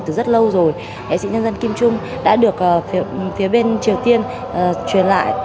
từ rất lâu rồi nghệ sĩ nhân dân kim trung đã được phía bên triều tiên truyền lại